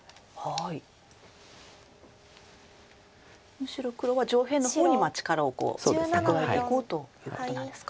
むしろ黒は上辺の方に力をこう蓄えていこうということなんですか。